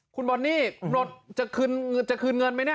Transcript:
ขออนุญาตนะครับยืนยันว่าจะคืนเงินไหมครับ